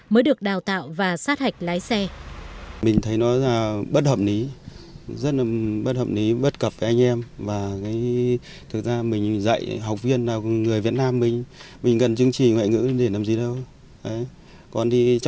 mới được đào tạo